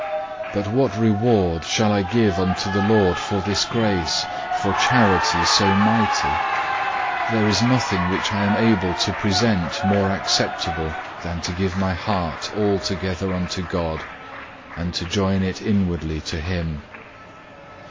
But what reward shall I give unto the Lord for this grace, for charity so mighty? There is nothing which I am able to present more acceptable than to give my heart altogether unto God, and to join it inwardly to Him.